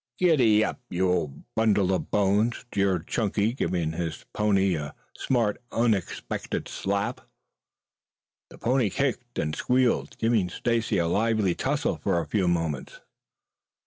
"Giddap, you old bundle of bones," jeered Chunky, giving his pony a smart unexpected slap. The pony kicked and squealed, giving Stacy a lively tussle for a few moments.